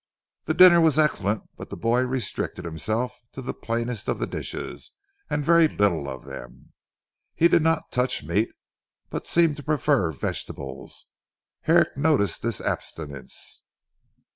The dinner was excellent but the boy restricted himself to the plainest of the dishes and very little of them. He did not touch meat but seemed to prefer vegetables. Herrick noticed this abstinence.